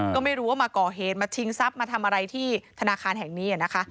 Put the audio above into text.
ก็ไม่รู้ว่ามาก่อเหตุมาชิงทรัพย์มาทำอะไรที่ธนาคารแห่งนี้นะคะ